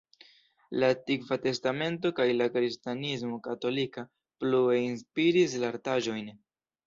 La Antikva Testamento kaj la kristanismo katolika plue inspiris la artaĵojn.